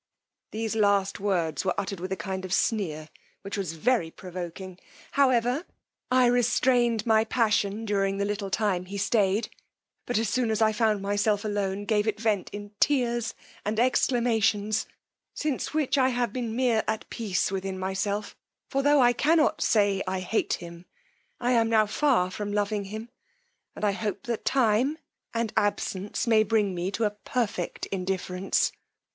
These last words were uttered with a kind of sneer, which was very provoking, however, I restrained my passion during the little time he stayed; but as soon as I found myself alone gave it vent in tears and exclamations, since which I have been mere at peace within myself; for tho' I cannot say I hate him, I am now far from loving him, and hope that time and absence may bring me to a perfect indifference.